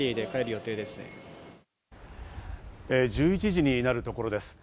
１１時になるところです。